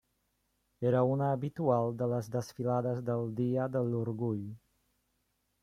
Era una habitual de les desfilades del dia de l'orgull.